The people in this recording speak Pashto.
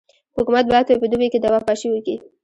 حکومت باید په دوبي کي دوا پاشي وکي.